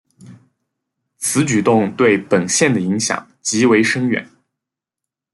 此举动对本线的影响极为深远。